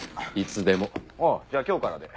おうじゃあ今日からで。